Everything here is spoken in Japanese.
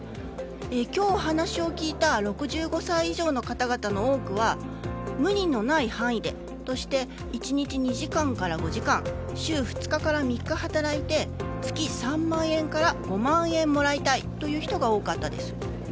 今日、話を聞いた６５歳以上の方々の多くは無理のない範囲でとして１日２時間から５時間週２日から３日働いて月３万円から５万円もらいたいという人が多かったです。